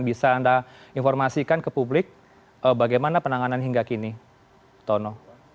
bisa anda informasikan ke publik bagaimana penanganan hingga kini tono